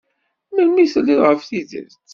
Melmi tedliḍ ɣef tidet?